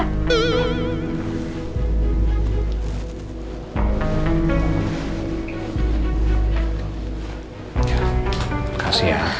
terima kasih ya